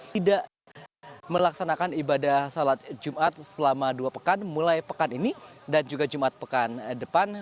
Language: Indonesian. tidak melaksanakan ibadah salat jumat selama dua pekan mulai pekan ini dan juga jumat pekan depan